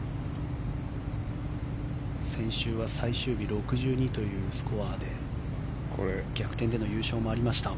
先週は最終日６２というスコアで逆転での優勝もありました。